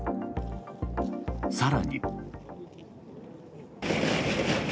更に。